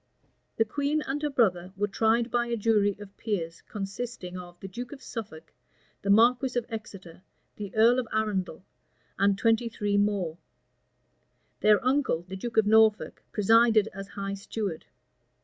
The queen and her brother were tried by a jury of peers consisting of the duke of Suffolk, the marquis of Exeter, the earl of Arundel, and twenty three more: their uncle, the duke of Norfolk, presided as high steward.